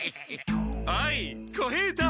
おい小平太長次！